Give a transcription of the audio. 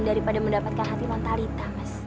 daripada mendapatkan hati non talitha mas